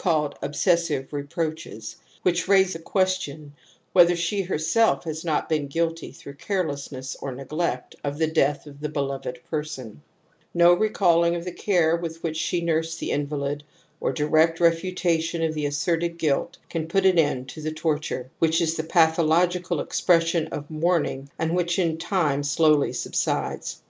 426. 102 ■k ~ m XOTE^ •. AilB • TABOO \ QaUtf^y^bfessive reproaches ' which raise the ••*"^ TOestibiTwh^^ not been guilty :hrough carelessness or neglect, of the death of he beloved person/) No recalling of the care with which she nursed the invalid, or direct refu tation of the asserted guilt can put an end to the torture, which is the pathological expression of mourning and which in time slowly subsides.